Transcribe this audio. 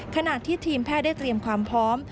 ขณะที่ทีมแพทย์ได้เตรียมความพร้อม